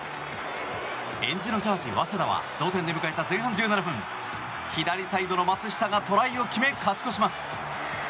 えんじのジャージー、早稲田は同点で迎えた前半１７分左サイドの松下がトライを決め勝ち越します。